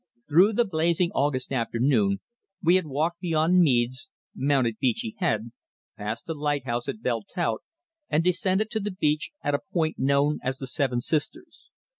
Through the blazing August afternoon we had walked beyond Meads, mounted Beachy Head, passed the lighthouse at Belle Tout and descended to the beach at a point known as the Seven Sisters.